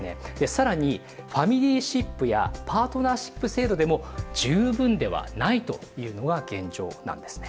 更にファミリーシップやパートナーシップ制度でも十分ではないというのが現状なんですね。